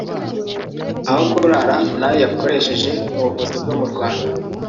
aho kurara n’ayo yakoresheje mu buvuzi bwo mu Rwanda